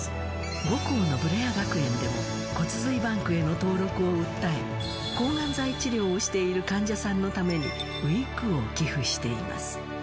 母校のブレア学園でも骨髄バンクへの登録を訴え、抗がん剤治療をしている患者さんのために、ウィッグを寄付しています。